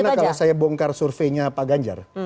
gimana kalau saya bongkar surveinya pak ganjar